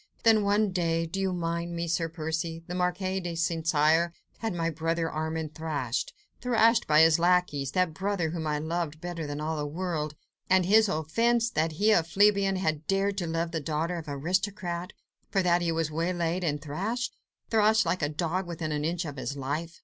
Then one day—do you mind me, Sir Percy? the Marquis de St. Cyr had my brother Armand thrashed—thrashed by his lacqueys—that brother whom I loved better than all the world! And his offence? That he, a plebeian, had dared to love the daughter of the aristocrat; for that he was waylaid and thrashed ... thrashed like a dog within an inch of his life!